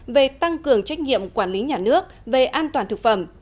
về tăng cường trách nhiệm quản lý nhà nước về an toàn thực phẩm